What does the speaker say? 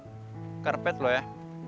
aku bantu karpet lo ya